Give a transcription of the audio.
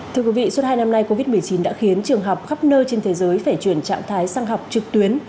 thưa quý vị suốt hai năm nay covid một mươi chín đã khiến trường học khắp nơi trên thế giới phải chuyển trạng thái sang học trực tuyến